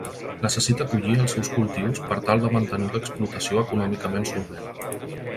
Necessita collir els seus cultius per tal de mantenir l'explotació econòmicament solvent.